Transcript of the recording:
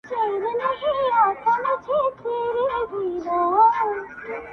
• ګلسوم د نجونو نښه ده تل,